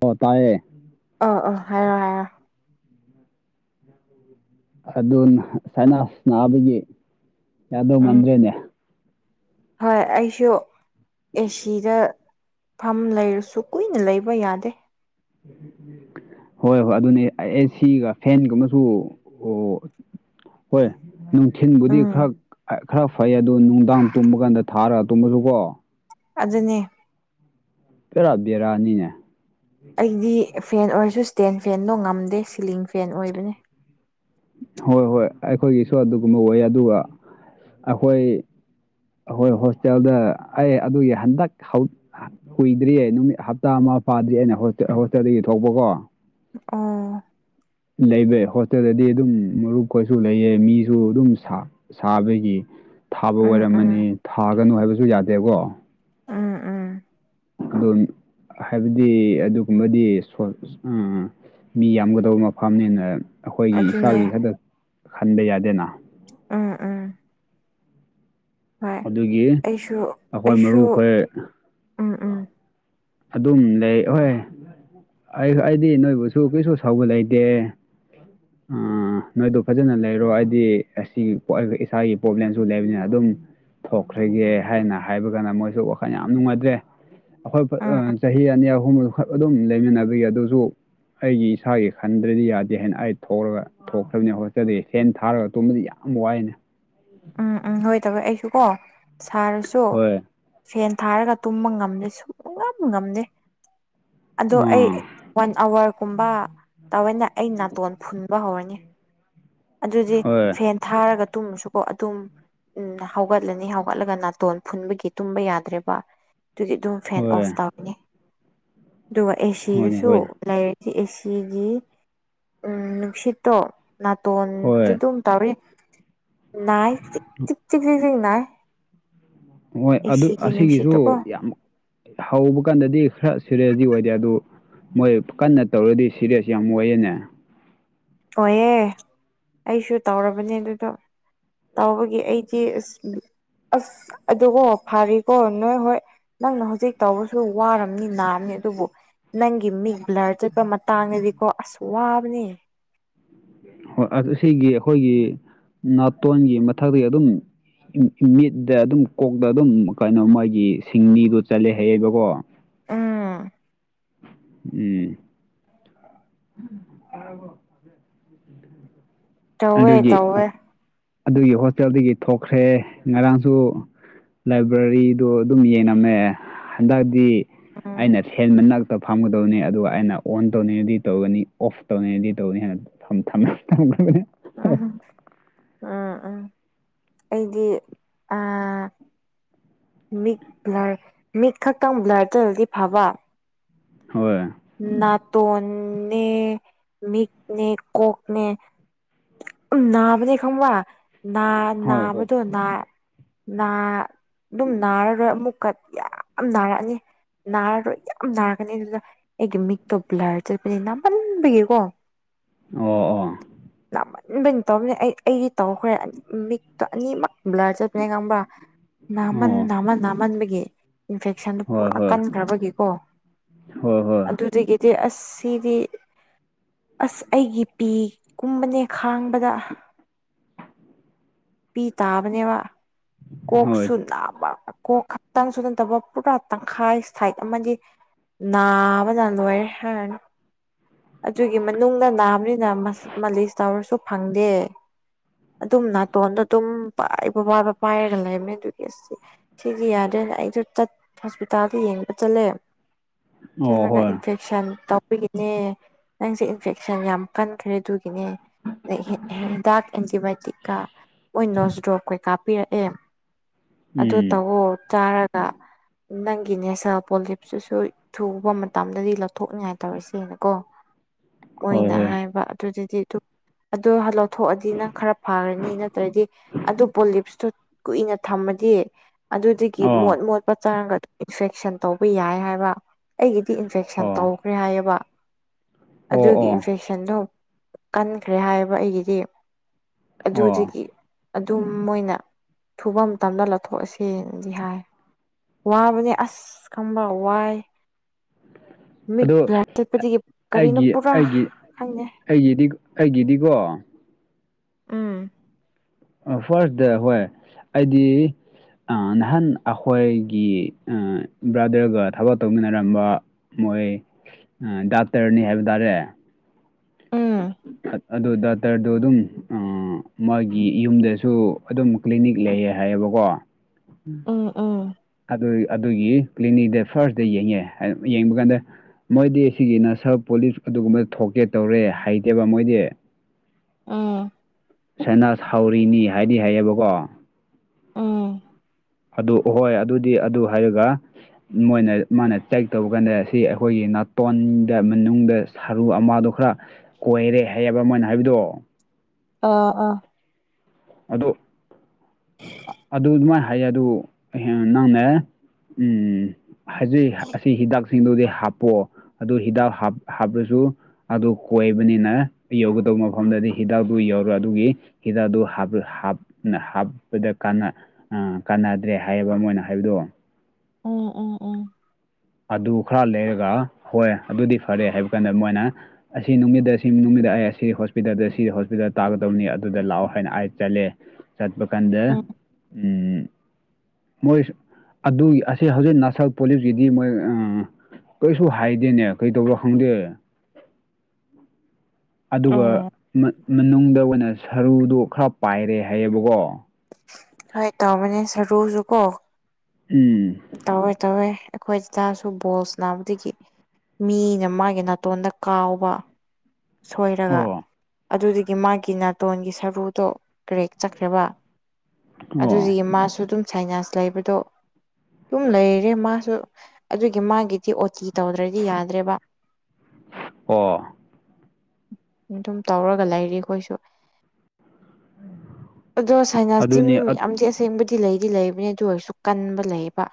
ꯑꯣ ꯇꯥꯏꯌꯦ꯫ ꯑ ꯑ ꯍꯥꯏꯔꯣ ꯍꯥꯏꯔꯣ꯫ ꯑꯗꯨ ꯁꯥꯏꯅꯥꯁ ꯅꯥꯕꯒꯤ ꯌꯥꯗꯧ ꯎꯝ ꯃꯟꯗ꯭ꯔꯦꯅꯦ꯫ ꯍꯣꯏ ꯑꯩꯁꯨ ꯑꯦꯁꯤꯗ꯫ ꯐꯝ ꯂꯩꯔꯁꯨ ꯀꯨꯏꯅ ꯂꯩꯕ ꯌꯥꯗꯦ꯫ ꯍꯣꯏ ꯍꯣꯏ ꯑꯗꯨꯅꯤ ꯑꯦꯁꯤꯒ ꯐꯦꯟꯒꯨꯝꯕ ꯁꯨ ꯑꯣ ꯍꯣꯏ꯫ ꯅꯨꯡꯊꯤꯟꯕꯨꯗꯤ ꯎꯝ ꯈꯔ ꯈꯔ ꯐꯩꯌꯦ ꯑꯗꯣ ꯅꯨꯡꯗꯥꯡ ꯇꯨꯝꯕ ꯀꯥꯟꯗ ꯊꯥꯔꯒ ꯇꯨꯝꯃꯅꯗꯨꯀꯣ꯫ ꯑꯗꯨꯅꯤ꫰ ꯄꯦꯔꯥ ꯕꯦꯔꯥꯅꯤꯅꯦ꯫ ꯑꯩꯗꯤ ꯐꯦꯟ ꯑꯣꯏꯔꯁꯨ ꯏꯁꯇꯦꯟ ꯐꯦꯟꯗꯣ ꯉꯝꯗꯦ ꯁꯤꯂꯤꯡ ꯐꯦꯟ ꯑꯣꯏꯕꯅꯦ ꯍꯣꯏ ꯍꯣꯏ ꯑꯩꯈꯣꯏꯒꯤꯁꯨ ꯑꯗꯨꯒꯨꯝꯕ ꯑꯣꯏ ꯑꯗꯨꯒ ꯑꯩꯈꯣꯏ ꯍꯣꯏ ꯍꯣꯁꯇꯦꯜꯗ ꯑꯦ ꯑꯗꯨꯒꯤ ꯍꯟꯗꯛ ꯀꯨꯏꯗ꯭ꯔꯤꯌꯦ ꯅꯨꯃꯤꯠ ꯍꯞꯇꯥ ꯑꯃ ꯐꯥꯗ꯭ꯔꯤ ꯑꯩꯅ ꯍꯣꯁꯇꯦꯜꯗꯒꯤ ꯊꯣꯛꯄꯀꯣ ꯑꯥ ꯂꯩꯕ ꯍꯣꯁꯇꯦꯜꯗꯗꯤ ꯑꯗꯨꯝ ꯃꯔꯨꯞ ꯀꯣꯏꯁꯨ ꯂꯩꯑ ꯃꯤꯁꯨ ꯑꯗꯨꯝ ꯁꯥ ꯁꯥꯕꯒꯤ ꯊꯥꯕ ꯎꯝ ꯎꯝ ꯑꯣꯏꯔꯝꯃꯅꯤ ꯊꯥꯒꯅꯨ ꯍꯥꯏꯕꯁꯨ ꯌꯥꯗꯦꯀꯣ ꯎꯝ ꯎꯝ ꯑꯗꯨ ꯍꯥꯏꯕꯗꯤ ꯑꯗꯨꯒꯨꯝꯕꯗꯤ ꯑꯥ ꯃꯤ ꯌꯥꯝꯒꯗꯧꯕ ꯃꯐꯝꯅꯤꯅ ꯑꯩꯈꯣꯏꯒꯤ ꯑꯗꯨꯅꯦ ꯏꯁꯥꯒꯤ ꯈꯛꯇ ꯈꯟꯕ ꯌꯥꯗꯦꯅ ꯑꯝ ꯎꯝ ꯍꯣꯏ ꯑꯗꯨꯒꯤ ꯑꯩꯁꯨ ꯑꯩꯈꯣꯏ ꯑꯩꯁꯨ ꯃꯔꯨꯞꯈꯣꯏ ꯎꯝ ꯎꯝ ꯑꯗꯨꯝ ꯂꯩ ꯑꯣꯏ ꯑꯩ ꯑꯩꯗꯤ ꯅꯣꯏꯕꯨꯁꯨ ꯀꯩꯁꯨ ꯁꯧꯕ ꯂꯩꯇꯦ ꯎ ꯅꯣꯏꯗ ꯐꯖꯅ ꯂꯩꯔꯣ ꯍꯥꯏꯗꯤ ꯑꯁꯤ ꯏꯁꯥꯒꯤ ꯄ꯭ꯔꯣꯕ꯭ꯂꯦꯝꯁꯨ ꯂꯩꯕꯅꯤꯅ ꯑꯗꯨꯝ ꯊꯣꯛꯈ꯭ꯔꯒꯦ ꯍꯥꯏꯅ ꯍꯥꯏꯕ ꯀꯥꯟꯗ ꯃꯣꯏꯁꯨ ꯋꯥꯈꯜ ꯌꯥꯝ ꯅꯨꯡꯉꯥꯏꯇ꯭ꯔꯦ ꯑꯩꯈꯣꯏ ꯎꯝ ꯆꯍꯤ ꯑꯅꯤ ꯑꯍꯨꯝꯈꯛ ꯑꯗꯨꯝ ꯂꯩꯃꯤꯟꯅꯕꯒꯤ ꯑꯗꯨꯁꯨ ꯑꯩꯒꯤ ꯏꯁꯥꯒꯤ ꯈꯟꯗ꯭ꯔꯗꯤ ꯌꯥꯗꯦ ꯍꯥꯏꯅ ꯑꯩ ꯊꯣꯛꯂꯒ ꯊꯣꯛꯈ꯭ꯔꯕꯅꯤ ꯍꯣꯠꯆꯗ ꯁꯦꯟ ꯊꯥꯔꯒ ꯇꯨꯝꯕꯗꯤ ꯌꯥꯝ ꯋꯥꯏꯅꯦ ꯎꯝ ꯎꯝ ꯍꯣꯏ ꯇꯃꯦ ꯑꯩꯁꯨꯀꯣ ꯁꯥꯔꯁꯨ ꯍꯣꯏ ꯐꯦꯟ ꯊꯥꯔꯒ ꯇꯨꯝꯕ ꯉꯝꯗꯦ ꯁꯨꯡ ꯌꯥꯝ ꯉꯝꯗꯦ ꯑꯗꯣ ꯑꯩ ꯑꯥ ꯋꯥꯟ ꯑꯋꯥꯔꯒꯨꯝꯕ ꯇꯧꯋꯦꯅ ꯑꯩ ꯅꯥꯇꯣꯟ ꯐꯨꯟꯕ ꯍꯧꯔꯅꯤ ꯑꯗꯨꯗꯤ ꯍꯣꯏ ꯐꯦꯟ ꯊꯥꯔꯒ ꯇꯨꯝꯃꯁꯨꯀꯣ ꯑꯗꯨꯝ ꯎꯝ ꯍꯧꯒꯠꯂꯅꯤ ꯍꯧꯒꯠꯂꯒ ꯅꯥꯇꯣꯟ ꯐꯨꯟꯕꯒꯤ ꯇꯨꯝꯕ ꯌꯥꯗ꯭ꯔꯦꯕ ꯑꯗꯨꯗꯤ ꯑꯗꯨꯝ ꯐꯦꯟ ꯑꯣꯐ ꯍꯣꯏ ꯇꯧ ꯑꯗꯨꯒ ꯍꯣꯏꯅꯦ ꯑꯦꯁꯤꯗꯁꯨ ꯍꯣꯏꯅꯦ ꯂꯩꯔꯤꯗꯤ ꯑꯦꯁꯤꯒꯤ ꯎ ꯅꯨꯡꯁꯤꯠꯇꯣ ꯍꯣꯏ ꯅꯥꯇꯣꯟꯗ ꯑꯗꯨꯝ ꯇꯥꯎꯔꯤ ꯎꯝ ꯅꯥꯏ ꯆꯤꯛ ꯆꯤꯛ ꯆꯤꯛ ꯆꯤꯛ ꯅꯥꯢ ꯍꯣꯏ ꯑꯗꯨ ꯑꯁꯤꯒꯤꯁꯨ ꯌꯥꯝ ꯍꯧꯕ ꯀꯥꯟꯗꯗꯤ ꯈꯔ ꯁꯤꯔꯦꯁꯗꯤ ꯑꯣꯏꯗꯦ ꯑꯗꯨ ꯃꯣꯏ ꯀꯟꯅ ꯇꯧꯔꯗꯤ ꯁꯤꯔꯌꯁ ꯌꯥꯝ ꯑꯣꯏꯌꯦꯅꯦ ꯑꯣꯏꯍꯦ ꯑꯩꯁꯨ ꯇꯧꯔꯕꯅꯦ ꯑꯗꯨꯗ ꯇꯧꯕꯒꯤ ꯑꯩ ꯁꯤ ꯑꯁ ꯑꯁ ꯑꯗꯨꯣ ꯐꯥꯔꯦꯀꯣ ꯅꯣꯏ ꯍꯣꯏ ꯅꯪꯅ ꯍꯧꯖꯤꯛ ꯇꯧꯕ ꯁ ꯋꯥꯔꯝꯅꯤ ꯅꯥꯔꯝꯅꯤ ꯑꯗꯨꯕꯨ ꯅꯪꯒꯤ ꯃꯤꯛ ꯕ꯭ꯂꯔꯠ ꯃꯇꯥꯡꯗꯗꯤꯀꯣ ꯑꯁꯨ ꯋꯥꯕꯅꯤ ꯍꯣꯏ ꯑꯁꯤꯒꯤ ꯑꯩꯈꯣꯏꯒꯤ ꯅꯥꯇꯣꯟꯒꯤ ꯃꯊꯛꯇꯒꯤ ꯑꯗꯨꯝ ꯃꯤꯠꯇ ꯑꯗꯨꯝ ꯀꯣꯛꯇ ꯑꯗꯨꯝ ꯀꯩꯅꯣ ꯃꯥꯒꯤ ꯁꯤꯡꯅꯤꯗꯣ ꯆꯠꯂꯦ ꯍꯥꯏꯌꯦꯕꯀꯣ ꯑꯥ ꯎꯝ ꯇꯧꯋꯦ ꯑꯗꯨꯒꯤ ꯇꯧꯋꯦ ꯑꯗꯨꯒꯤ ꯍꯣꯁꯇꯦꯜꯗꯒꯤ ꯊꯣꯛꯈ꯭ꯔꯦ ꯉꯔꯥꯡꯁꯨ ꯂꯥꯏꯕ꯭ꯔꯦꯔꯤꯗꯣ ꯑꯗꯨꯝ ꯌꯦꯡꯉꯝꯃꯦ ꯍꯟꯗꯛꯇꯤ ꯎꯝ ꯑꯩꯅ ꯍꯦꯟꯕ ꯐꯝꯒꯗꯧꯅꯤ ꯑꯗꯨꯒ ꯑꯩꯅ ꯑꯣꯟ ꯇꯧꯅꯤꯡꯉꯗꯤ ꯇꯧꯒꯅꯤ ꯑꯣꯐ ꯇꯧꯅꯤꯡꯉꯗꯤ ꯇꯧꯅꯤ ꯍꯥꯏꯕ ꯊꯝ ꯊꯝꯃꯦ ꯊꯝꯅꯦ ꯑ ꯑꯥ ꯑꯥ ꯑꯩꯗꯤ ꯃꯤꯠ ꯕ꯭ꯂꯔ ꯃꯤꯠ ꯈꯛꯇꯪ ꯕ꯭ꯂꯔꯗꯗꯗꯤ ꯐꯕ ꯍꯣꯏ ꯅꯥꯇꯣꯟꯅꯦ ꯃꯤꯀꯅꯦ ꯀꯀꯅꯦ ꯅꯅꯥꯕ ꯈꯪꯕꯅꯥ ꯍꯣꯏ ꯍꯣꯏ ꯅꯅꯥꯕꯗ ꯑꯗꯨꯝ ꯅꯥꯔꯔꯣꯏ ꯑꯃꯨꯛꯀ ꯌꯥꯝ ꯅꯥꯔꯛꯑꯅꯤ ꯅꯥꯔꯔꯣꯏ ꯌꯥꯝ ꯅꯥꯔꯒꯅꯤ ꯑꯗꯨꯗ ꯑꯦꯃꯤꯛꯇꯣ ꯭ꯂꯥꯔ ꯆ ꯅꯅꯥꯃꯜꯕꯤꯒꯦꯀꯣ ꯑꯣ ꯑꯣ ꯏꯕꯅ ꯇꯧꯕꯅꯦ ꯑꯩ ꯑꯩꯗꯤ ꯇꯧꯈ꯭ꯔꯦ ꯃꯤꯠꯇꯣ ꯑꯅꯤꯃꯛ ꯕ꯭ꯂꯔ ꯆꯠꯄꯅꯦ ꯈꯪꯕ꯭ꯔꯥ ꯅꯥꯃꯟ ꯑꯣ ꯅꯥꯃꯟ ꯅꯥꯝꯃꯟꯕꯒꯤ ꯏꯟꯐꯦꯛꯁꯟꯗꯨ ꯄꯨꯔꯥ ꯀꯟꯈ꯭ꯔꯕꯒꯤꯀꯣ ꯍ ꯍꯣꯏ ꯑꯗꯨꯗ ꯀꯦꯗꯦ ꯑꯁꯤꯗꯤ ꯑꯁ ꯑꯩꯒꯤ ꯄꯤ ꯀꯨꯝꯕꯅꯦ ꯈꯥꯡꯕꯗ ꯄꯤ ꯇꯥꯕꯅꯦꯕ ꯍꯣꯏ ꯀꯣꯛꯁꯨ ꯅꯥꯕ ꯀꯣꯛ ꯇꯥꯟ ꯁꯨ ꯇꯟꯗꯕ ꯄꯨꯔꯥ ꯇꯪꯈꯥꯏ ꯁꯥꯏꯠ ꯑꯃꯗꯤ ꯅꯥꯕꯗꯗꯦ ꯍ ꯑꯗꯨꯒꯤ ꯃꯅꯨꯡꯗ ꯅꯥꯕꯅꯤꯅ ꯃꯥꯂꯤꯁ ꯇꯧꯔꯁꯨ ꯐꯪꯗꯦ ꯑꯗꯨꯝ ꯇꯣꯟꯗ ꯑꯗꯨꯝ ꯕꯕꯥꯕ ꯄꯥꯏꯔꯒ ꯂꯩꯔꯕꯅꯦ ꯑꯗꯨꯒꯤꯁꯦ ꯁꯤꯗꯤ ꯌꯥꯗ꯭ꯔꯦꯅꯦ ꯑꯩꯁꯨ ꯍꯣꯁꯄꯤꯇꯥꯜꯗ ꯌꯦꯡꯕ ꯆꯠꯂꯦ ꯑꯣ ꯆꯠꯂꯒ ꯍꯣꯏ ꯏꯟꯐꯦ ꯐꯦꯛꯁꯟ ꯇꯧꯕꯒꯤꯅꯦ ꯅꯪꯁꯦ ꯏꯟꯐꯦꯛꯁꯟ ꯌꯥꯝ ꯀꯟꯈ꯭ꯔꯦ ꯑꯗꯨꯒꯤꯅꯦ ꯤ ꯗꯥꯛ ꯑꯦꯟꯇꯤꯕꯥꯌꯣꯇꯤꯛ ꯀ ꯃ ꯅꯣꯁ ꯗ꯭ꯔꯣꯞꯈꯩ ꯀꯥꯞꯄꯤꯔꯛꯑꯦ ꯑꯗꯨ ꯎꯝ ꯇꯧꯑꯣ ꯆꯥꯔ ꯅꯪꯒꯤ ꯅꯦꯁꯥ ꯄꯣꯂꯤꯞꯁꯤꯁꯨ ꯊꯨꯕ ꯃꯇꯝꯗꯗꯤ ꯂꯧꯊꯣꯛꯅꯤꯡꯉꯥꯏ ꯇꯧꯔꯁꯤꯦꯅꯀꯣ ꯍꯣꯏ ꯃꯣꯏꯅ ꯍꯣꯏ ꯍꯥꯏꯕ ꯑꯗꯨꯗꯨꯗꯤ ꯑꯗꯨ ꯑꯗꯨ ꯂꯧꯊꯣꯛꯑꯗꯤ ꯅꯪ ꯈꯔ ꯐꯔꯅꯤ ꯅ ꯑꯗꯨ ꯄꯣꯂꯤꯞꯁꯇꯣ ꯀꯨꯏꯅ ꯊꯝꯃꯗꯤ ꯑꯗꯨꯗꯒꯤ ꯃꯣꯠ ꯑꯣ ꯃꯣꯠꯄ ꯆꯥꯔꯒꯗ ꯏꯟꯐꯦꯛꯁꯟ ꯇꯧꯕ ꯌꯥꯏ ꯍꯥꯏꯕ ꯑꯩꯒꯤꯗꯤ ꯏꯟꯐꯦꯛꯁꯟ ꯑꯣ ꯇꯧꯈ꯭ꯔꯦ ꯍꯥꯏꯌꯦꯕ ꯑꯣ ꯑꯗꯨꯒꯤ ꯑꯣ ꯏꯟꯐꯦꯛꯁꯟꯗꯣ ꯀꯟꯈ꯭ꯔꯦ ꯍꯥꯏꯕ ꯑꯩꯒꯤꯗꯤ ꯑꯣ ꯨꯖꯤꯒꯤ ꯑꯗꯨꯝ ꯃꯣꯏꯅ ꯊꯨꯕ ꯃꯇꯝꯗ ꯂꯧꯊꯣꯛꯑꯁꯦꯅꯗꯤ ꯍꯥꯏ ꯋꯥꯕꯅꯦ ꯑꯁ ꯈꯪꯕ ꯋꯥꯏ [inaudible] ꯃꯤꯠ ꯄꯨꯂꯥ ꯆꯠꯄꯗꯒꯤ ꯀꯔꯤꯅꯣ ꯑꯩꯒꯤ ꯄꯨꯔꯥ ꯑꯩꯒꯤ ꯈꯪꯅꯩ ꯑꯩꯒꯤꯗꯤ ꯑꯩꯒꯤꯗꯤꯀꯣ ꯎꯝ ꯐꯥꯔꯁꯇ ꯍꯣꯏ ꯑꯩꯗꯤ ꯅꯍꯥꯟ ꯑꯩꯈꯣꯏꯒꯤ ꯕ꯭ꯔꯥꯗꯔꯒ ꯊꯕꯛ ꯇꯧꯃꯤꯟꯅꯔꯝꯕ ꯃꯣꯏ ꯗꯥꯛꯇꯔꯅꯤ ꯍꯥꯏꯕ ꯇꯥꯔꯦ ꯎꯝ ꯑꯗꯨ ꯗꯇꯔꯗꯨ ꯑꯗꯨꯝ ꯑ ꯃꯥꯒꯤ ꯌꯨꯝꯗꯁꯨ ꯑꯗꯨꯝ ꯀ꯭ꯂꯤꯅꯤꯛ ꯂꯩꯌꯦ ꯍꯥꯏꯌꯦꯕꯀꯣ [inaudible] ꯑꯗꯨ ꯑꯗꯨꯒꯤ ꯀ꯭ꯂꯤꯅꯤꯛꯛꯇ ꯐꯥꯔꯁꯇ ꯌꯦꯡꯉꯦ ꯌꯦꯡꯕ ꯀꯥꯟꯗ ꯃꯣꯏꯗꯤ ꯁꯤꯒꯤ ꯅꯁꯔ ꯄꯨꯣꯂꯤꯁ ꯑꯗꯨꯒꯨꯝꯕ ꯊꯣꯛꯀꯦ ꯇꯧꯔꯦ ꯍꯩꯇꯦꯕ ꯃꯣꯏꯗꯤ ꯑꯥ ꯁꯅꯥꯁ ꯍꯥꯎꯔꯤꯅꯤ ꯍꯥꯏꯗꯤ ꯍꯥꯏꯌꯦꯕꯀꯣ ꯎꯝ ꯑꯗꯨ ꯑꯍꯣꯏ ꯑꯗꯨꯗꯤ ꯑꯗꯨ ꯍꯥꯏꯔꯒ ꯃꯣꯏꯅ ꯃꯥꯅ ꯇꯦꯛ ꯇꯧꯕ ꯀꯥꯟꯗ ꯁꯤ ꯑꯩꯈꯣꯏꯒꯤ ꯅꯥꯇꯣꯟꯗ ꯃꯅꯨꯡꯗ ꯁꯔꯨ ꯑꯃꯗꯣ ꯈꯔ ꯀꯣꯏꯔꯦ ꯍꯥꯏꯌꯦꯕ ꯃꯣꯏꯅ ꯍꯥꯏꯕꯗꯣ ꯑ ꯑꯥ ꯑ ꯑꯗꯨ ꯑꯗꯨꯃꯥꯏꯅ ꯍꯥꯏꯌꯦ ꯑꯗꯨ ꯅꯪꯅꯦ ꯎꯝ ꯍꯧꯖꯤꯛ ꯑꯁꯤ ꯍꯤꯗꯥꯛꯁꯤꯡꯗꯨꯗꯤ ꯍꯥꯞꯄꯑꯣ ꯑꯗꯨ ꯍꯤꯗꯥꯛ ꯍꯥꯞꯄ꯭ꯔꯁꯨ ꯑꯗꯨ ꯀꯣꯏꯕꯅꯤꯅ ꯌꯧꯒꯗꯧꯕ ꯃꯐꯝꯗꯗꯤ ꯍꯤꯗꯥꯛꯇꯨ ꯌꯧꯔ ꯑꯗꯨꯒꯤ ꯍꯤꯗꯥꯛꯇ ꯍꯥ ꯍꯥꯞꯄꯗ ꯀꯥꯟꯅꯗ꯭ꯔꯦ ꯍꯥꯏꯌꯦꯕ ꯑꯃ ꯑꯣꯏꯅ ꯍꯥꯏꯕꯗꯣ ꯎꯝ ꯎꯝ ꯎꯝ ꯑꯗꯨ ꯈꯔ ꯂꯩꯔꯒ ꯍꯣꯏ ꯑꯗꯨꯗꯤ ꯐꯔꯦ ꯍꯥꯏꯕ ꯀꯥꯟꯗ ꯃꯣꯏꯅ ꯑꯁꯤ ꯅꯨꯃꯤꯡ ꯑꯁꯤ ꯅꯨꯃꯤꯗꯥ ꯑꯩ ꯑꯁꯤ ꯍꯣꯁꯄꯤꯇꯥꯜꯗ ꯁꯤ ꯍꯣꯁꯄꯤꯇꯥꯜꯗ ꯇꯥꯒꯗꯕꯅꯤ ꯑꯗꯨꯗ ꯂꯥꯛꯑꯣ ꯍꯥꯏꯅ ꯑꯩ ꯆꯠꯂꯦ ꯆꯠꯄ ꯀꯥꯟꯗ ꯎꯝ ꯃꯣꯏ ꯑꯗꯨ ꯑꯁꯤ ꯍꯧꯖꯤꯛ ꯅꯅꯥꯁꯜ ꯄꯨꯂꯤꯁꯀꯤ ꯒꯤ ꯃꯣꯏ ꯀꯩꯁꯨ ꯍꯥꯏꯗꯦꯅꯦ ꯀꯩꯗꯧꯔꯣ ꯈꯪꯗꯦ ꯑꯗꯨꯒ ꯎꯝ ꯃꯅꯨꯡꯗ ꯑꯣꯏꯅ ꯁꯔꯨꯗꯣ ꯈꯔ ꯄꯥꯏꯔꯦ ꯍꯥꯏꯌꯦꯕꯀꯣ ꯍ ꯇꯥꯎ ꯃ ꯁꯔꯨꯁꯨ ꯀꯣ ꯎꯝ ꯇꯧꯋꯦ ꯇꯧꯋꯦ ꯑꯩꯈꯣꯏ ꯇꯥꯁꯨ ꯕꯣꯜꯁ ꯅꯥꯕꯗꯒꯤ ꯃꯤꯅ ꯃꯥꯒꯤ ꯅꯥꯇꯣꯟꯗ ꯀꯥꯎꯕ ꯁꯣꯏꯔꯒ ꯑꯣ ꯑꯗꯨꯗꯤ ꯃꯥꯒꯤ ꯅꯥꯇꯣꯟꯒꯤ ꯁꯔꯨꯗꯣ ꯀ꯭ꯔꯦꯛ ꯆꯠꯈ꯭ꯔꯦꯕ ꯑꯗꯨꯗꯤ ꯑꯣ ꯃꯥꯁꯨ ꯑꯗꯨꯝ ꯁꯥꯏꯅꯥꯁ ꯂꯩꯕꯗꯣ ꯑꯗꯨꯝ ꯂꯩꯔꯦ ꯃꯥꯁꯨ ꯑꯗꯨꯒꯤ ꯃꯥꯒꯤꯗꯤ ꯑꯣꯇꯤ ꯇꯧꯗ꯭ꯔꯗꯤ ꯌꯥꯗ꯭ꯔꯦꯕ ꯑꯣ ꯑꯗꯨꯝ ꯇꯧꯔꯒ ꯂꯩꯔꯤ ꯑꯩꯈꯣꯏꯁꯨ ꯑꯗꯣ ꯁꯥꯏꯅꯥꯁꯇ ꯃꯤ ꯑꯗꯨꯅꯤ ꯃꯌꯥꯝꯗꯤ ꯑꯁꯦꯡꯕꯗꯤ ꯁꯤ ꯂꯩꯗꯤ ꯂꯩꯕꯅꯤ ꯑꯗꯨ ꯑꯣꯏꯔꯁꯨ ꯀꯟꯕ ꯂꯩꯌꯦꯕ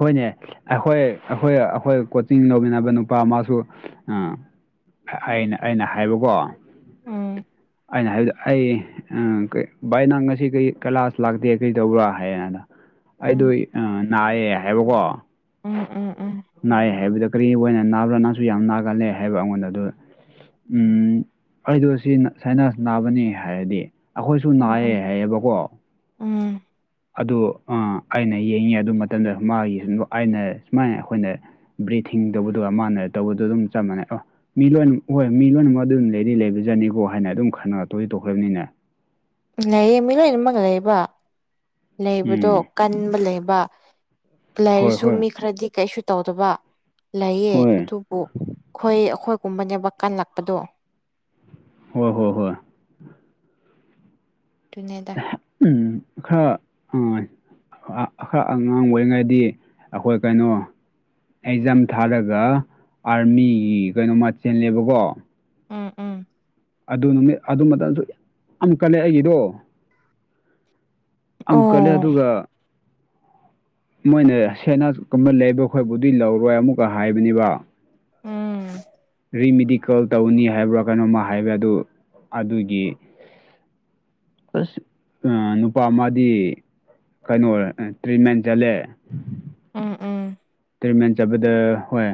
ꯍꯣꯏꯅꯦ ꯑꯩꯈꯣꯏ ꯑꯩꯈꯣꯏ ꯑꯩꯈꯣꯏ ꯀꯣꯆꯤꯡ ꯂꯧꯃꯤꯟꯅꯕ ꯅꯨꯄꯥ ꯃꯥꯁꯨ ꯑꯥ ꯑꯩꯅ ꯑꯩꯅ ꯍꯥꯏꯕꯀꯣ ꯎꯝ ꯑꯩꯅ ꯍꯥꯏꯕꯗ ꯑꯩ ꯀ ꯚꯥꯏ ꯅꯪ ꯉꯁꯤ ꯀꯔꯤ ꯀꯩꯂꯥꯁ ꯂꯥꯛꯇꯦ ꯀꯔꯤ ꯇꯧꯕ꯭ꯔꯥ ꯍꯥꯏꯗ ꯑꯩꯗ ꯎꯝ ꯅꯥꯌꯦꯦ ꯍꯥꯏꯕꯀꯣ ꯎꯝ ꯎꯝ ꯎꯝ ꯅꯥꯏ ꯍꯥꯏꯕꯗ ꯀꯔꯤ ꯑꯣꯏꯅ ꯅꯥꯕ꯭ꯔꯥ ꯅꯥꯁꯨ ꯌꯥꯝ ꯅꯥꯒꯜꯂꯦ ꯍꯥꯏꯕ ꯑꯩꯉꯣꯟꯗ ꯑꯗꯨ ꯍꯥꯏꯗꯣ ꯑꯁꯤꯅ ꯁꯥꯏꯅꯥꯁ ꯅꯥꯕꯅꯤ ꯍꯥꯏꯔꯗꯤ ꯑꯩꯈꯣꯏꯁꯨ ꯎꯝ ꯎꯝ ꯅꯥꯌꯦꯦ ꯍꯥꯏꯌꯦꯕꯀꯣ ꯎꯝ ꯑꯗꯨ ꯑꯩꯅ ꯌꯦꯡꯉꯤ ꯑꯗꯨ ꯃꯇꯝꯗ ꯃꯥꯒꯤ ꯁ ꯑꯩꯅ ꯁꯨꯃꯥꯏꯅ ꯑꯩꯈꯣꯏꯅ ꯕ꯭ꯔꯤꯊꯤꯡ ꯇꯧꯕꯗꯨꯒ ꯃꯥꯟꯅ ꯇꯧꯕꯗꯨꯣ ꯑꯗꯨꯝ ꯆꯞ ꯃꯥꯟꯩ ꯃꯤ ꯂꯣꯏꯅꯃꯛ ꯍꯣꯏ ꯃꯤ ꯂꯣꯏꯅꯃꯛ ꯑꯗꯨꯝ ꯂꯩꯗꯤ ꯂꯩꯕꯖꯥꯅꯤꯀꯣ ꯍꯥꯏꯅ ꯑꯗꯨꯝ ꯈꯟꯅꯔꯛꯇꯣꯏꯗꯤ ꯇꯧꯈ꯭ꯔꯕꯅꯤꯅꯦ ꯂꯩꯌꯦ ꯃꯤ ꯂꯣꯏꯅꯃꯛ ꯂꯩꯕ ꯂꯩꯕꯗꯣ ꯎꯝ ꯀꯟꯕ ꯂꯩꯕ ꯍꯣꯏ ꯂꯩꯔꯁꯨ ꯍꯣꯏ ꯃꯤ ꯈꯔꯗꯤ ꯀꯩꯁꯨ ꯇꯧꯗꯕ ꯂꯩꯌꯦ ꯍꯣꯏ ꯑꯗꯨ ꯑꯣ ꯈꯣꯏ ꯑꯈꯣꯏꯒꯨꯝꯕꯅꯦꯕ ꯀꯜꯂꯛꯄꯗꯣ ꯍꯣꯏ ꯍꯣꯏ ꯍꯣꯏ ꯇꯨꯅꯦ ꯎꯝ ꯈꯔ ꯑꯈꯛ ꯑꯉꯥꯡ ꯑꯣꯏꯔꯤꯉꯩꯗꯤ ꯑꯩꯈꯣꯏ ꯀꯩꯅꯣ ꯑꯦꯛꯖꯥꯝ ꯊꯥꯔꯒ ꯑꯥꯔꯃꯤꯒꯤ ꯀꯩꯅꯣꯃ ꯆꯦꯜꯂꯦꯕꯀꯣ ꯎꯝ ꯎꯝ ꯑꯗꯨ ꯅꯨꯃꯤꯠ ꯑꯗꯨ ꯃꯇꯝꯁꯨ ꯌꯥꯝ ꯀꯜꯂꯦ ꯑꯩꯒꯤꯗꯣ ꯑꯣ ꯑꯃꯨꯛꯀꯜꯂꯦ ꯑꯗꯨꯒ ꯃꯣꯏꯅ ꯁꯦꯅꯥ ꯀꯕ ꯂꯩꯕ ꯈꯣꯏꯕꯨꯗꯤꯏ ꯂꯧꯔꯣꯏ ꯑꯃꯨꯛꯀ ꯍꯥꯏꯕꯅꯤꯕ ꯎꯝ ꯔꯤꯃꯦꯗꯤꯀꯜ ꯇꯧꯅꯤ ꯍꯥꯏꯕ꯭ꯔꯥ ꯀꯩꯅꯣꯝꯃ ꯍꯥꯏꯕꯥ ꯑꯗꯨ ꯑꯗꯨꯒꯤ ꯑꯁ ꯅꯨꯄꯥ ꯃꯥꯗꯤ ꯀꯩꯅꯣ ꯇ꯭ꯔꯤꯠꯃꯦꯟ ꯆꯠꯂꯦ ꯎꯝ ꯎꯝ ꯇ꯭ꯔꯤꯠꯃꯦꯟ ꯆꯠꯄꯗ ꯍꯣꯏ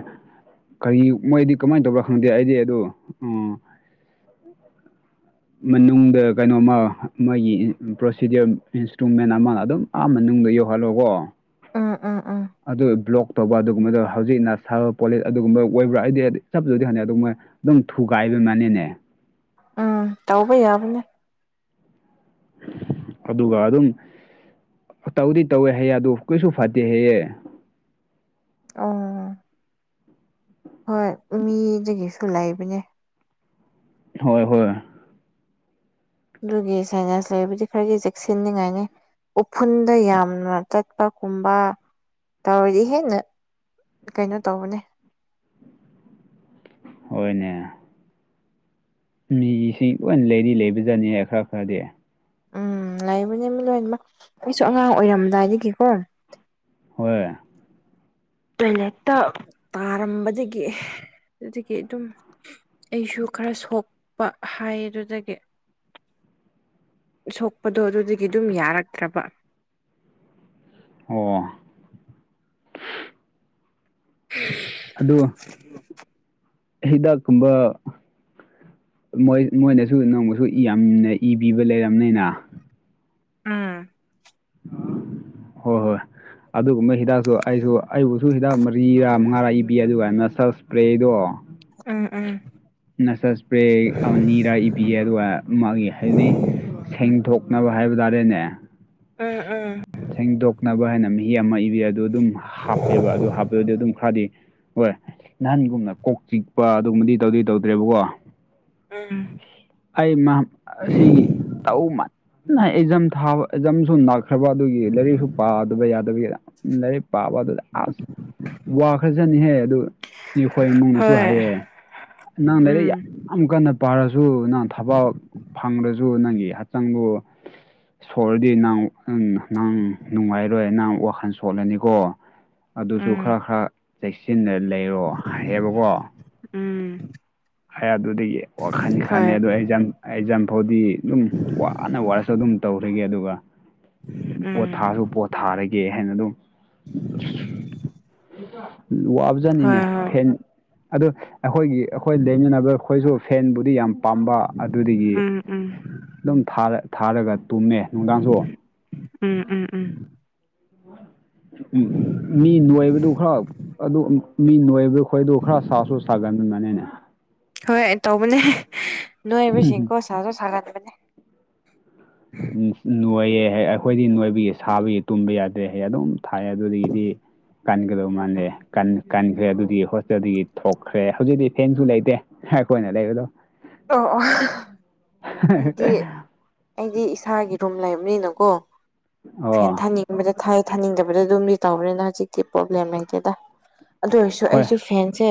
ꯀꯔꯤ ꯃꯣꯏꯗꯤ ꯀꯃꯥꯏꯅ ꯇꯧꯕꯥ ꯈꯪꯅꯗꯦ ꯑꯩꯗꯤ ꯑꯗꯣ ꯎ ꯎꯝ ꯃꯅꯨꯡꯗ ꯀꯩꯅꯣꯝꯃ ꯃꯥꯣꯏꯒꯤ ꯄ꯭ꯔꯣꯁꯤꯗꯤꯌꯔ ꯏꯟꯁꯇ꯭ꯔꯨꯃꯦꯟ ꯑꯃ ꯑꯗꯨꯝ ꯑꯥ ꯃꯅꯨꯡꯗꯗ ꯌꯧꯍꯜꯂꯣꯀꯣ ꯎꯝ ꯎꯝ ꯎꯝ ꯑꯗꯨ ꯕ꯭ꯂꯣꯛ ꯇꯧꯕ ꯑꯗꯨꯒꯨꯝꯕꯗꯣ ꯍꯧꯖꯤꯛꯅ ꯁꯥꯕ ꯄꯣꯂꯤꯠ ꯑꯗꯨꯒꯨꯝꯕ ꯑꯣꯏꯕ꯭ꯔꯥ ꯑꯩꯗꯤꯗꯤ ꯆꯞ ꯆꯁꯨꯗꯤ ꯍꯥꯟꯅꯤ ꯑꯗꯨꯒꯨꯝ ꯃꯣꯏ ꯑꯗꯨꯝ ꯊꯨꯒꯥꯏꯕ ꯃꯅꯤꯅꯦ ꯎꯝ ꯇꯧꯕ ꯌꯥꯕꯅꯦ ꯑꯗꯨꯒ ꯑꯗꯨꯝ ꯇꯧꯗꯤ ꯇꯧꯋꯦ ꯍꯌꯦ ꯑꯗꯨ ꯀꯩꯁꯨ ꯐꯠꯇꯦ ꯍꯌꯦꯑꯦ ꯑꯣ ꯍꯣꯏ ꯃꯤꯗꯒꯤꯁꯨ ꯂꯩꯕꯅꯦ ꯍꯣꯏ ꯍꯣꯏ ꯑꯗꯨꯒꯤ ꯁꯥꯏꯅꯥꯁ ꯂꯩꯕꯨꯗꯤ ꯈꯔꯒꯤ ꯆꯦꯛꯁꯤꯟꯅꯤꯉꯥꯏꯅꯤ ꯎꯐꯨꯟꯗ ꯌꯥꯝꯅ ꯆꯠꯄꯒꯨꯝꯕ ꯇꯧꯔꯗꯤ ꯍꯦꯟꯅ ꯀꯩꯅꯣ ꯇꯧꯕꯅꯦ ꯍꯣꯏꯅꯦ ꯃꯤꯁꯤꯡ ꯂꯣꯏ ꯂꯩꯔꯤ ꯂꯩꯕꯖꯠꯅꯤꯍ ꯈꯔ ꯈꯔꯗꯤ ꯎꯝ ꯂꯩꯕꯅꯦ ꯂꯣꯏꯅꯃꯛ ꯑꯩꯁꯨ ꯑꯉꯥꯡ ꯑꯣꯏꯔꯝꯗꯥꯏꯗꯒꯤꯀꯣ ꯍꯣꯏ ꯇꯣꯏꯂꯦꯠꯇ ꯇꯥꯔꯝꯕꯗꯒꯤ ꯑꯗꯨꯗꯒꯤ ꯑꯗꯨꯝ ꯑꯩꯁꯨ ꯈꯔ ꯁꯣꯛꯄ ꯍꯥꯏꯌꯦ ꯑꯗꯨꯗꯒꯤ ꯁꯣꯛꯄꯗꯣ ꯑꯗꯨꯗꯒꯤ ꯑꯗꯨꯝ ꯌꯥꯔꯛꯇ꯭ꯔꯕ ꯑꯣ ꯎꯝ ꯑꯗꯣ ꯎꯝ ꯍꯤꯗꯥꯛꯀꯨꯝꯕ ꯃꯣꯏ ꯃꯣꯏꯅꯁꯨ ꯅꯣꯡꯃꯁꯨ ꯌꯥꯝꯅ ꯏꯕꯤꯕ ꯂꯩꯔꯕꯅꯤꯅ ꯎꯝ ꯍꯣꯏ ꯍꯣꯏ ꯑꯗꯨꯒꯨꯝꯕ ꯍꯤꯗꯥꯛꯁꯨ ꯑꯩꯁꯨ ꯑꯩꯕꯨꯁꯨ ꯍꯤꯗꯥꯛ ꯃꯔꯤꯔꯥ ꯃꯉꯥꯔꯥ ꯏꯕꯤ ꯑꯗꯨꯒ ꯃꯁꯜ ꯏꯁꯄ꯭ꯔꯦꯗꯣ ꯎꯝ ꯎꯝ ꯅꯁ ꯏꯁꯄ꯭ꯔꯦ ꯅꯤꯔꯥ ꯏꯕꯤꯌꯦ ꯑꯗꯨꯒ ꯃꯥꯒꯤ ꯍꯥꯏꯕꯗꯤ ꯁꯦꯡꯗꯣꯛꯅꯕ ꯍꯥꯏꯕ ꯇꯥꯔꯦꯅꯦ ꯎꯝ ꯎꯝ ꯁꯦꯡꯗꯣꯛꯅꯕ ꯍꯥꯏꯅ ꯃꯍꯤ ꯑꯃ ꯏꯕꯤ ꯑꯗꯨ ꯑꯗꯨꯝ ꯍꯥꯞꯄꯦꯕ ꯑꯗꯨ ꯍꯥꯞꯄꯗꯤ ꯑꯗꯨꯝ ꯈꯔꯗꯤ ꯍꯣꯏ ꯅꯍꯥꯟꯒꯨꯝꯅ ꯀꯣꯛ ꯆꯤꯛꯄ ꯑꯗꯨꯒꯨꯝꯕꯗꯤ ꯇꯧꯗꯤ ꯇꯧꯗ꯭ꯔꯦꯕꯀꯣ ꯎꯝ ꯑꯩ ꯁꯤ ꯇꯧꯖꯝ ꯊꯝ ꯈ꯭ꯔꯕ ꯑꯗꯨꯒꯤ ꯂꯥꯏꯔꯤꯛꯁꯨ ꯄꯥꯗꯕ ꯌꯥꯗꯕꯤꯒꯤꯗ ꯂꯥꯏꯔꯤꯛ ꯄꯥꯕ ꯑꯗꯨ ꯑꯁ ꯋꯥꯈ꯭ꯔꯁꯅꯤꯍꯦ ꯑꯗꯨ ꯑꯩꯈꯣꯏ ꯏꯃꯨꯡꯅꯁꯨ ꯍꯣꯏ ꯍꯥꯏꯌꯦ ꯎꯝ ꯌꯥꯝꯛ ꯀꯟꯅ ꯄꯥꯔꯁꯨ ꯅꯪ ꯊꯕꯛ ꯐꯪꯗ꯭ꯔꯁꯨ ꯅꯪꯒꯤ ꯍꯛꯆꯥꯡꯕꯨ ꯁꯣꯔꯗꯤ ꯅꯍꯪ ꯅꯪ ꯅꯨꯡꯉꯥꯏꯔꯣꯏ ꯅꯪ ꯋꯥꯈꯜ ꯁꯣꯜꯂꯅꯤꯀꯣ ꯑꯗꯨꯁꯨ ꯎꯝ ꯈꯔ ꯈꯔ ꯆꯦꯛꯁꯤꯟꯅ ꯂꯩꯔꯣ ꯍꯥꯏꯌꯦꯕꯀꯣ ꯎꯝ ꯍꯥꯏ ꯑꯗꯨꯗꯒꯤ ꯍꯣꯏ ꯁꯥꯟꯅꯩ ꯑꯗꯣ ꯑꯩ ꯖꯝ ꯑꯩ ꯖꯝꯐꯥꯎꯗꯤ ꯑꯗꯨꯝ ꯋꯥꯅ ꯋꯥꯔꯁꯨ ꯑꯗꯨꯝ ꯇꯧꯈꯤꯒꯦ ꯑꯗꯨꯒ ꯄꯣꯠ ꯎꯝ ꯊꯥꯔꯁꯨ ꯄꯣꯠ ꯊꯥꯔꯒꯦ ꯍꯥꯏꯅ ꯑꯗꯨꯝ [unintelligible] ꯍꯣꯏ ꯋꯥꯞꯖꯅꯤꯅꯦ ꯍꯣꯏ ꯐꯦꯟ ꯑꯗꯨ ꯑꯩꯈꯣꯏꯒꯤ ꯑꯩꯈꯣꯏ ꯂꯩꯃꯤꯟꯅꯕ ꯑꯩꯈꯣꯏꯁꯨ ꯐꯦꯟꯕꯨꯗꯤ ꯌꯥꯝ ꯄꯥꯝꯕ ꯑꯗꯨꯗꯒꯤ ꯎꯝ ꯎꯝ ꯑꯗꯨꯝ ꯊꯥꯔꯒ ꯇꯨꯝꯃꯦ ꯅꯨꯡꯗꯥꯡꯁꯨ ꯎꯝ ꯎꯝ ꯎꯝ ꯎꯝ ꯃꯤ ꯅꯨꯡꯣꯏꯕꯗꯨ ꯈꯔ ꯑꯗꯨ ꯃꯤ ꯅꯣꯏꯕꯗꯨ ꯈꯣꯏꯗ ꯈꯔ ꯁꯥꯁꯨ ꯁꯥꯒꯟꯕꯅꯅꯤꯅꯦ ꯍꯣꯏ ꯇꯧꯕꯅꯦ ꯅꯣꯏꯕꯁꯤꯡꯀꯣ ꯁꯥꯁꯨ ꯁꯥꯒꯟꯕꯅꯦ ꯎꯝ ꯅꯣꯏꯌꯦ ꯑꯩꯈꯣꯏꯗꯤ ꯅꯣꯏꯕꯌꯦ ꯁꯥꯕꯒꯤ ꯇꯨꯝꯕ ꯌꯥꯗꯦ ꯍꯥꯏ ꯑꯗꯨꯝ ꯊꯥꯏ ꯑꯗꯨꯗꯒꯤꯗꯤ ꯀꯟꯒꯗꯧ ꯃꯥꯜꯅꯂꯦ ꯀ ꯀꯟꯈ꯭ꯔꯦ ꯑꯗꯨꯗꯤ ꯍꯣꯁꯇꯦꯜꯗꯒꯤ ꯊꯣꯛꯈ꯭ꯔꯦ ꯍꯧꯖꯤꯛꯇꯤ ꯊꯦꯡꯁꯨ ꯂꯩꯇꯦ ꯑꯩꯈꯣꯏꯅ ꯂꯩꯕꯗꯣ [inaudible] ꯑꯣ ꯑꯣ ꯑꯩꯗꯤ ꯑꯩꯗꯤ ꯏꯁꯥꯒꯤ ꯔꯨꯝ ꯂꯩꯕꯅꯤꯅꯀꯣ ꯑꯣ ꯐꯦꯟ ꯊꯥꯅꯤꯡ ꯕꯗ ꯊꯥꯏ ꯊꯥꯅꯤꯡꯗꯕꯗ ꯑꯗꯨꯝꯗꯤ ꯇꯧꯕꯅꯤꯅ ꯍꯧꯖꯤꯛꯀꯤ ꯄ꯭ꯔꯣꯕ꯭ꯂꯦꯝ ꯂꯩꯇꯦꯗ ꯑꯗꯨ ꯑꯣꯏꯔꯁꯨ ꯍꯣꯏ ꯑꯩꯁꯨ ꯐꯦꯟꯁꯦ